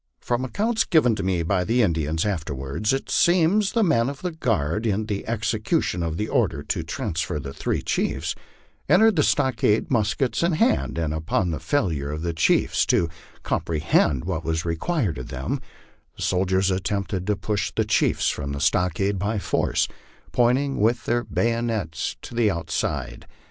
From accounts given me by the Indians after wards, it seems the men of the guard, in the execution of the order to transfer the three chiefs, entered the stockade muskets in hand, and upon the failure of the chiefs to comprehend what was required of them, the soldiers attempt ed to push the chiefs from the stockade by force, pointing with their bayo nets to the outside.